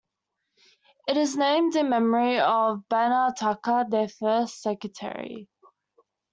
It is named in memory of Bernard Tucker, their first Secretary.